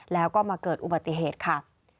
แล้วก็มาเกิดอุบัติเหตุค่ะ